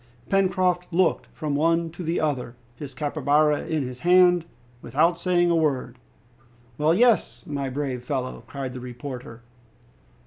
Pencroft looked from one to the other, his capybara in his hand, without saying a word. "Well, yes, my brave fellow," cried the reporter.